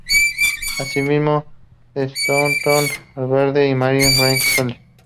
Asimismo, Staunton alberga el "Mary Baldwin College".